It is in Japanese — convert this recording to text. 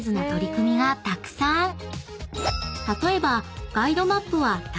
［例えば］